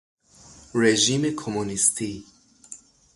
رژیم کمونیستی